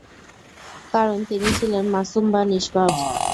কারণ, তিনি ছিলেন মাসূম বা নিস্পাপ।